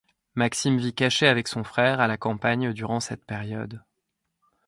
Maxime vit caché avec son frère à la campagne durant cette période.